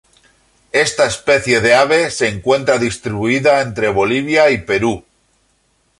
Esta especie de ave se encuentra distribuida en Bolivia y Perú.